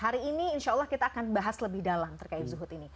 hari ini insya allah kita akan bahas lebih dalam terkait zuhud ini